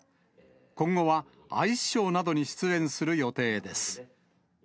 今後はアイスショーなどに出演する予定です。